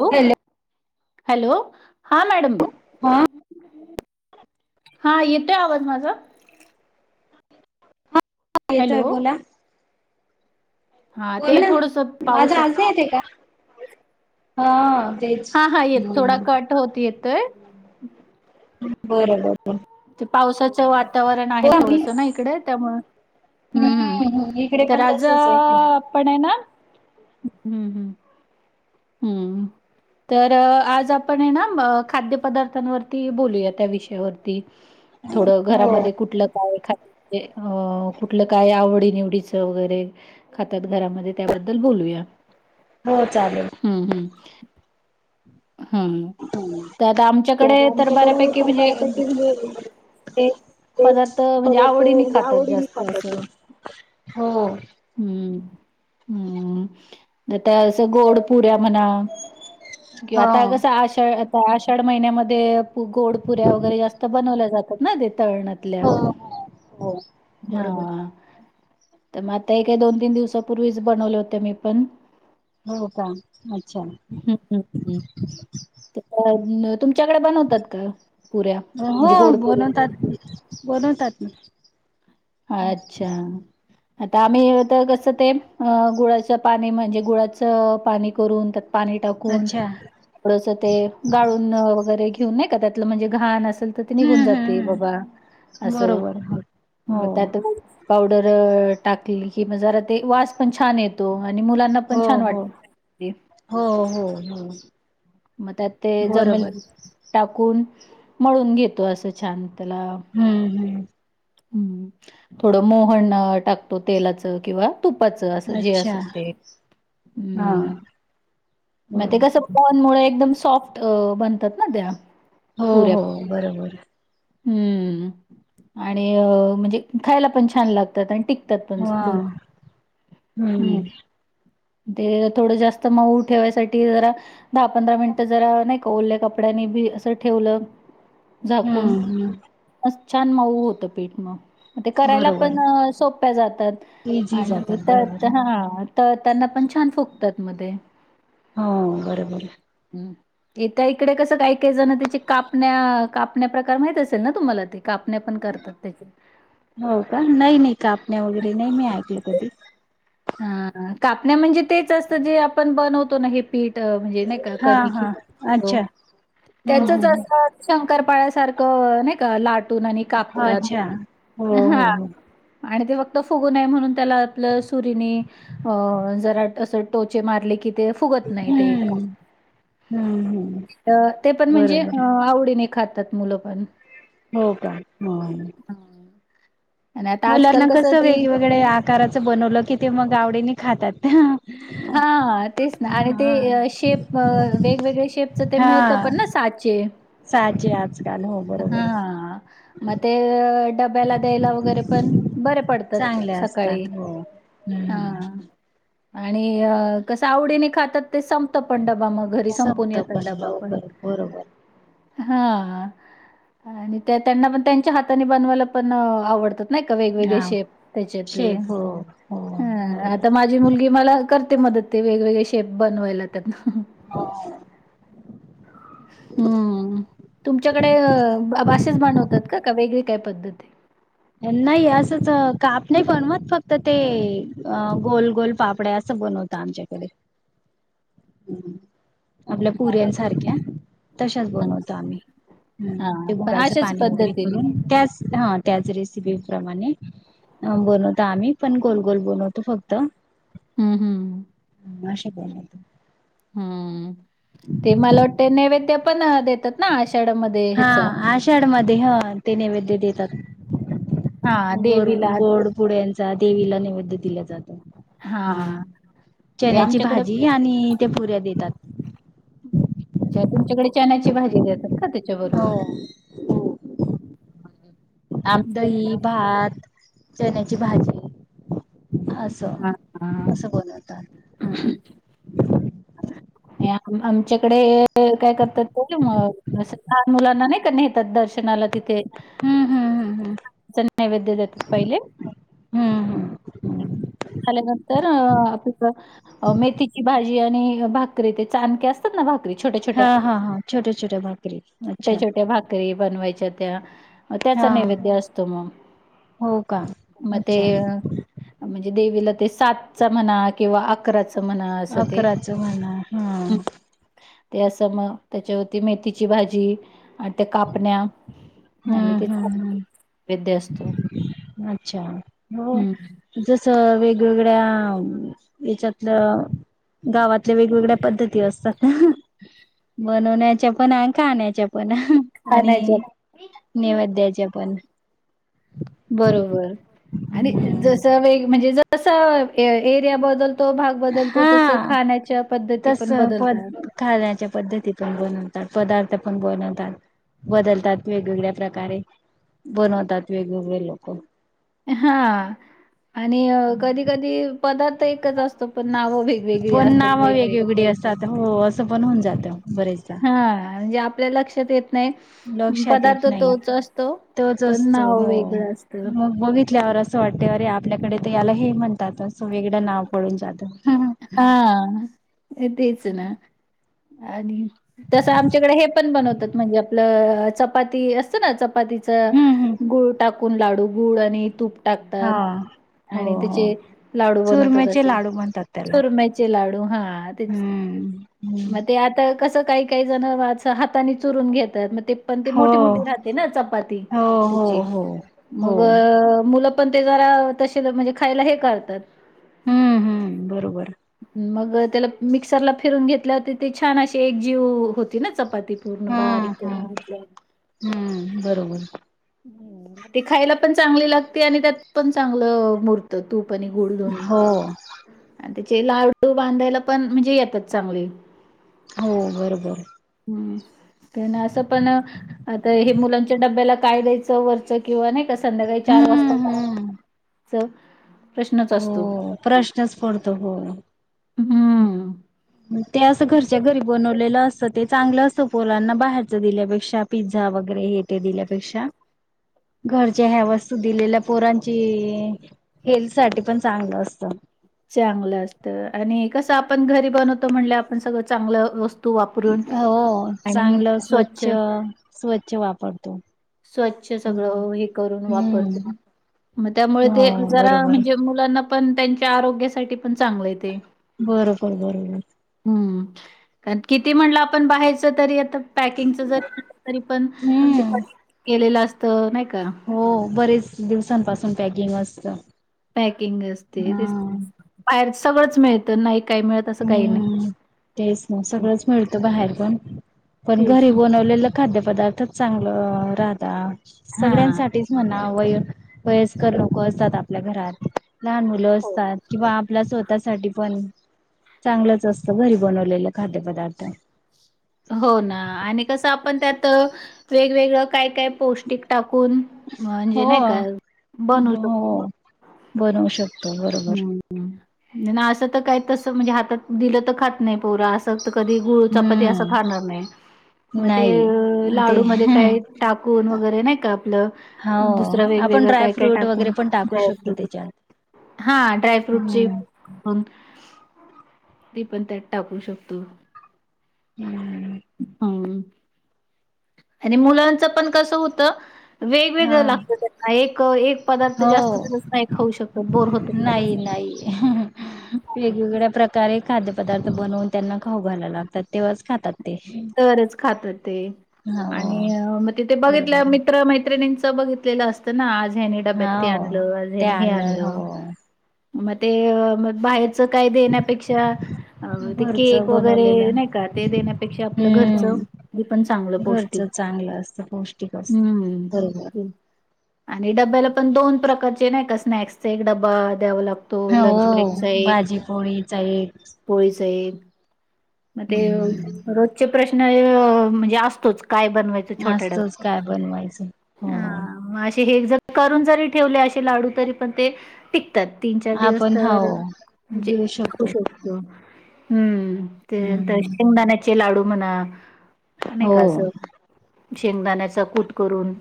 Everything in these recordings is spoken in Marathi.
हॅ हॅलो हॅलो हा मॅडम हा हा येतोय आवाज माझा हा येतोय हॅलो बोला हा बोल ते ना थोडस माझा पावसाच आजी येत का हा तेच हा हा येत थोडा हम्म कट होत येत बरोबर ते पावसाचं वातावरण हो आहे आम्ही थोडस ना इकडे त्यामु हम्मम् हम्म इकडे तर पण राजा तसच आहे पण आहे ना हम्म हम्म हम्म तर आज आपण हे ना खाद्यपदार्थांवरती बोलूया त्या विषयावरती थोडं हो घरामध्ये कुठलं काय खा ते अ कुठलं काय आवडी निवडीच वगैरे खातात घरामध्ये त्याबद्दल बोलूया ह हो चालेल हम्म हम्म हम्म ह त्यात आमच्याकडे आता तर आमच्याकडे बऱ्यापैकी पर म्हणजे बारापैकी ते ते पदार्थ म्हणजे पर तो आवडीने खातात आवडी नि जास्त खातच असं हो हम्म हम्म त्या त्या पुऱ्या म्हणा कि हा आता कसं आषाढ आ आषाढ महिन्यामध्ये गोडप पुऱ्या वगैरे जास्त बनवल्या जातात ना ते तरळणातल्या हो हो हो बरोबर हा तर मग आता एक दोन तीन दिवसापूर्वीच बनवले होते मी पण हो का अच्छा हम्म हम्म तर तुमच्याकडे बनवतात का पुऱ्या हो म्हणजे गोड पुऱ्या बनवतात मी बनवतात मी अच्छा आता आम्ही तर कसं ते गुळाचं पाणी म्हणजे गुळाचं पाणी करून पाणी टाकून अच्छा ड ते गाळून वगैरे घेऊन नाही का त्यातलं म्हणजे घाण अस निघून हम्म हम्म जाते हम्म अस बरोबर हो त्या पाड टाकली कि म जरा ते वास पण छान येत आणि मुलांना पण हो छान वाट हो हो हो हो हो मग त्यात ते जमेल बरोबर टाकून मळून घेतो असं छान हम्म हम्म हम् थोडं मोहन टाकतो तेलाच किंवा तुपाच अस जे अच्छा अस ते् हा मग ते बरोबर कस एकदम सॉफ्ट बनतात ना त्या हो पुऱ्या. हो बरोबर आहे हम्म आणि म्हणजे खायला पण छान लागतात आणि तात पणच हा भररम् हम्म ते थोडं जास्त मऊ ठेवायसाठी जरा दहा पंधरा मिनिट जरा नाही का ओल्या कपड्यांनी बी असं ठेवलं झाकून हम्म हम्म अस छान माऊ होतं पीठ म. ते करायला पण बरोबर सोप्या जातात इझी आणि जातात त्यात बरोबर आहे हा. तर त्यांना पण छान फुकतात म ते. हो बरोबर. इथं इकडे कसं काही काय जण त्याची कापण्या, कापण्या प्रकार माहित असेल ना तुम्हाला ते. कापण्या पण [inaudible] करतात त्याचे. हो का? नाही नाही कापण्या वगैरे नाही मी ऐकल कधी. हा हा कापण्या म्हणजे तेच असतं जे आपण बनवतो ना हे. पीठ अ म्हणजे नाही का हा कनिक हा भिजवतो अच्छा हम्म त्याचच हम्म अस हम्म. करपाळ्यासारखं नाही का लाटून आणि कापतात अच्छा हो हो हा. हो आणि ते फक्त फुगू नये म्हणून त्याला आपलं असं. अ जरा अस टोचे मारले की ते फुगत नाही ते [inaudible] हम्म हम्म हम्म अ ते पण म्हणजे बरोबर अ आवडीने खातात मुलं पण. हो का? हो. हां आणि आता आजकाल मुलांना कसं ते वेगवेगळ आकाराचं बनवलं की ते मग आवडीने खातात. हा तेच ना आणि ते हा. शेप अ वेगवेगळे शेपच ते हा मिळत पण ना सा चेे. साचे आजकाल हो हा बरोबर म ते डब्याला द्यायला वगैरे पण बरे चांगले पडतात सकाळी. असतात हो. हम्म. हां आणि कस आवडीने खातात. ते संपत पण डबा मग, घरी संपून संपत येतात डबा पण. लवकर बरोबर हा आणि त्या त्यांना पण त्यांच्या हाताने बनवायला पण आ-आवडत. नाही का वेगवेगळे हा शेप त्याच्यातले शेप हो हो हम आता बरोबर. माझी मुलगी मला करते मदत ते वेगवेगळे शेप बनवायला. [inaudible] हो. हम् तुम तुमच्या कडे अशेच बनवतात का? का वेगळी काय पद्धती? नाही असंच काप नाही बनवत फक्त ते अ गोल-गोल पापड्या असं बनवत आमच्याकडे. [inaudible] आपल्या पुऱ्यांन सारख्या तशाच हां, बनवतो आम्ही. हम् ते हां. पण गुळाचं अशाच पाणी वगैरे पद्धतीने. करून त्याच हा त्यातलीच रेसिपी प्रमाणे अ बनवतो आम्ही पण गोल गोल बनवतो फक्त. हम्म, हम्म, असे बनवतो [inaudible] हम्म. ते मला वाटते नैवेद्य पण देतात ना, आषाढ्यामध्ये हा ह्याचा. आषाढ ह ते नैवैद्य देतात [inaudible] हां, बरं बरं देवीला गोड पोळ्यांचा. चा देवीला नैवेद दिला जातो. हां. ते चण्याची आमच्याकडे भाजी आणि [unintelligible] ते पुऱ्या देतात. त्या तुमच्याकडे चण्याची भाजी देतात का? त्याच्या बरोबर. हो [unintelligible] दही, भात, चण्याची भाजी. असं. हां, हां. असं बनवतात. हम्म [inaudible] अ आमच्याकडे ये काय करतात [unintelligible] असं लहान मुलांना नाही का नेतात दर्श नाला तिथे हम्म हम्म हम्म [inaudible] नैवैदय देतात पहिले. हम्म हम्म हम्म [inaudible] झाल्यानंतर अ [unintelligible] मेथीची भाजी भाजी आणि भाकरी ते चानके असतात ना री छोट्या-छोट्या हा हा हा छोट्या छोट्या भाकरी ते अच्छा छोट्या भाकरी बनवाच्या त्या त्याचा हा नैवैद्य अस [inaudible] हो का म ते अच्छा म्हणजे देवीला ते सातचा म्हणा किंवा अकराचा. तर मना असं ते. अकराच म्हणा हा [inaudible] ते असं मग त्याच्यावरती मेथीची भाजी आणि त्या कापण्या आणि हम्म तेच हम्म हम्म नैवेद्य असतो. अच्छा हो हं. जस वेगवेग गळ्या याच्यातलं गावातल्या वेगवेगळ्या पद्धती असतात. बनवण्याच्या पण आणि खाण्याच्या पण. पण खाण्याच्या आणि नैवेद्याच्या पण. बरोबर आणि हम्म. जस वे म्हणजे जस एरिया बदल तो भाग बदलतो तस हा खाण्याच्या पद्धती तस पण पद बदलतात. खाण्याच्या पद्धती पण बनवतात पदार्थ पण बनवतात बदलतात वेगवेगळ्या प्रकारे बनवतात वेगवेगळे लोक. हा. आणि कधी कधी पदार्थ एकच असतो पण नाव वेगवेगळी पण असतात नाव वेगवेगळे वेगवेगळी असतात हो असं पण होऊन जातं बरेचदा. हा जे आप ल्या लक्षात येत नाही लक्षात येत पदार्थ नाही तोच असतो, तोच पण नाव वेगळं असत. ल्यावर असं वाटतेवररे आपल्याकडे तर याला हे म्हणतात असं वेगळं नाव पडून जातं. हम्म हा तेच ना आणि तसं आमच्याकडे हे पण बनवतात म्हणजे आपलं चपाती असतं ना चपाती हम्म. गुळ टाकून लाडू गु आणि तूप. टाकतात हा हो आणि हो त्याचे लाडू बनवतात चुरम्याचे असे लाडू म्हणतात त्याला. चुरम्याचे लाडू हा तेच हम्म हम्म मग ते आता कस काही काही जण हातानी चुरून घेतात. पण ते हो मोठी मोठी राहते ना चपाती हो हो त्याची. हो हो. मग मूल पण ते जरा ते तर म्हणजे खायला हे करतात. हम्म हम्म बरोबर. मग त्याला मिक्सरला फिरून घेतल्या तर ते छान अशी एक जीव होती ना. चपातीपूर्ण हम्म बारीक करून हम्म घेतल्या हम्म बरोबर ते खायला पण चांगली लागते आणि त्यात पण चांगलं मूर्त तूप. आणि गुळ दोन्ही. हो लाडू बांधायला पण म्हणजे येतात चांगले. हो बरोबर. ना असं पण आता हे मुलांच्या डब्याला काय द्यायचं वरचं किंवा नाही? संध्याकाळी चार वाजता हम्म काय हम्म द्यायचं? हो प्रश्नच पडतो हो. हम्म ते असं घरच्या घरी बन वलेल असत ते चांगलं असत. पोरंना बाहेरच दिल्यापेक्षा पिझ्झा वगैरे हे ते दिल्यापेक्षा घरच्या ह्या वस्तू दिलेल्या पोरांची हेल्थ साठी पण चांगलं असत. चांगलं असत आणि कस आपण घरी बनवतो म्हणले आपण सगळं चांगलं व हो चांगलं स्वच्छ, स्वच्छ वापरतो. स्वच्छ सगळ हे करून वापर हम्म म त्यामुळे हो ते जरा बरोबर म्हणजे मुलांना पण त्यांच्या आरोग्यासाठी पण चांगलं ते. बरोबर बरोबर हम्म. किती म्हणलं आपण बाहेरच तरी आता पॅकिंगच जरी म्हटल तरी पण हम्म [inaudible] केलेल असत. हो बरेच दिवसांपासून पॅकिंग असत. पॅकिंग असते हा. बाहेर सगळंच मिळत नाही काही असं काही हम्म तेच ना हं, सगळंच मिळतं बाहेर पण. पण तेच घरी बनवलेलं खाद्यपदार्थच चांगलं राहत. हां. सगळ्यांसाठीच म्हणा वय वयस्कर लोक असतात आपल्या घरात लहान मुलं हो, असतात किंवा आपल्या स्वतःसाठी पण. चांगलंच असतं घरी बनवलेलं खाद्यपदार्थ. हो ना आणि कसं आपण त्यात वेगवेगळं काय काय पौष्टिक टाकून म्हणजे हो. नाही का बनूवु शकतो हो बनवू शकतो बरोबर हं. ना असं तर काय तस म्हणजे हातात दिलं तर खात नाही पोरा असं कधी गुळ चपाती असं हम्म. खाणार नाही मग ते नाही लाडूमध्येध ते काही टाकून वगैरे नाही का आपलं दुसर हो वेगवेग आपण व काय काय ड्रायफ्रूट टाकून वगैरे पण टाकू डायय शकतो फुट त्याच्यात. हा ड्रायफ्रूट हम्म. ती पण त्यात टाकू शकतो हम्म हम आणि मुलांच पण कसं होत हा वेगवेगळ लागत त्यांना एक एक पदार्थ जास्त हो नाही खाऊ शकत बोर होत नाही नाही. [inaudible] वेगवेगळ्या प्रकारे खाद्यपदार्थ बनवून त्यांना खाऊ घायला लागतात तेव्हाच खातात ते. तरच खातात ते हो आणि मग तिथे बघितल्या बरोबर मित्र मैत्रिणींच बघितलेलं असतं ना आजहेनी डब्यात ते हो. आणलं आज ते यानी हे आणलं हो मग ते म बाहेर काही देण्यापेक्षा घरच केक बनवलेलं वगैरे नाही का ते देण्यापेक्षा आपलं घरचं हम्म. हे पण चांगलं पोष्टिक घरचं चांगलं असतं पौष्टिक असतं. बरोबर हम् आणि डब्याला पण दोन प्रकारचे नाही का स्नॅक्स चा एक डबा द्यावा लागत तो लंच हो ब्रेकचा एक भाजी पोळीचा एक पोळीचा एक मग ते हम्म रोजचे प्रश्न म्हणजे असतोच काय बनवायचं छोट्या डब्यात असतच काय बनवायचं हो ून जरी ठेव लाडू तरी पण ते त्यात तीन चार दिवस आपण तर हो म्हणजे देऊ शकतो खुश असतो हम्म त्यांतर हम्म शेंगदाण्याचे लाडू म्हणा अ हो का असं शेंगदाण्याचा कूट करून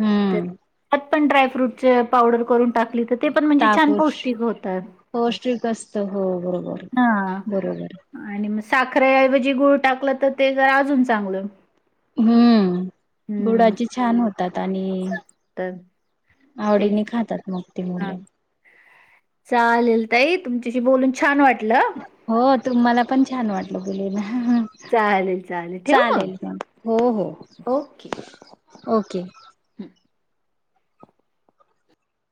हम्म त्यात पण ड्रायफ्रूटच पावडर करून टाकली तर ते पण म्हणजे छान ताकूश पौष्टिक होतात पौष्टिक असत हो बरोबर हां बरोबर आणि मग साखरेऐवजी गुळ टाकलं तर ते जरा अजून चांगलं हम्म हं, गुडाचे छान होतात आणि तर तेच आवडीने खातात मग त हां, मुलं चालेल तई तुमच्याशी बोलून छान वाटलं हो तुम्हाला पण छान वाटलं बले चालेल चालेल ठेव म मग हो हो ओके